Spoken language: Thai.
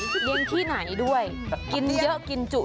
เลี้ยงที่ไหนด้วยกินเยอะกินจุหรือเปล่าต้องเช็คดี